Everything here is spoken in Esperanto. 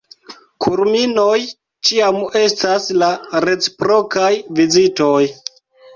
Kulminoj ĉiam estas la reciprokaj vizitoj.